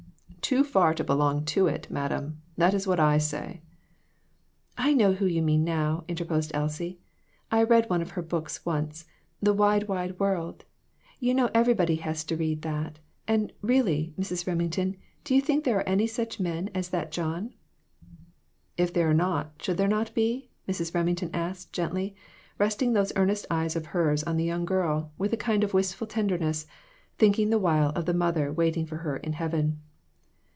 "Too far to belong to it, madam ; that is what I say." "I know who you mean now," interposed Elsie; "I read one of her books once the 'Wide, Wide World.' You know everybody has read that, and really, Mrs. Remington, do you think there are any such young men as that John ?" "If there are not, should there not be?" Mrs. Remington asked, gently, resting those earnest eyes of hers on the young girl, with a kind of wistful tenderness, thinking the while of the mother waiting for her in heaven.